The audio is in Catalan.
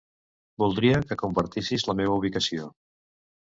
Voldria que compartissis la meva ubicació.